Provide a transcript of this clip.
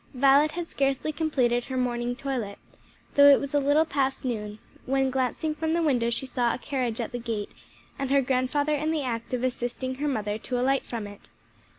Violet had scarcely completed her morning toilet, though it was a little past noon, when glancing from the window she saw a carriage at the gate and her grandfather in the act of assisting her mother to alight from it.